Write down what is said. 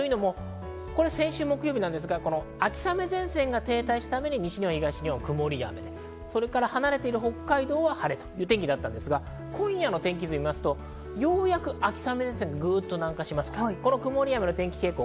これは先週木曜日ですが、秋雨前線が停滞したために東日本、西日本は曇りや雨、離れている北海道は晴れという天気だったんですが、今夜の天気図を見ますと、ようやく秋雨前線は南下します。